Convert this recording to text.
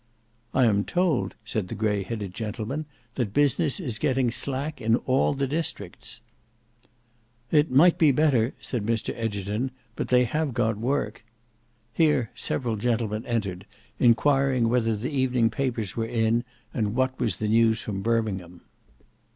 "I am told," said the grey headed gentleman, "that business is getting slack in all the districts." "It might be better," said Mr Egerton, "but they have got work." Here several gentlemen entered, enquiring whether the evening papers were in and what was the news from Birmingham.